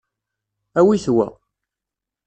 Awit wa.